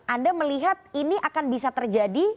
anda melihat ini akan bisa terjadi